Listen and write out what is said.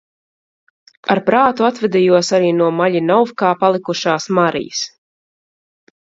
Ar prātu atvadījos arī no Maļinovkā palikušās Marijas.